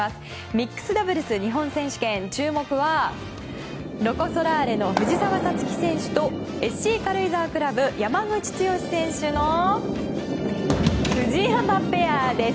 ミックスダブルス日本選手権注目はロコ・ソラーレの藤澤五月選手とＳＣ軽井沢クラブ山口剛史選手のフジヤマペアです。